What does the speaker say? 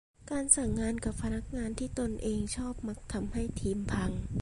การสั่งงานกับพนักงานที่ตนเองชอบมักทำให้ทีมพัง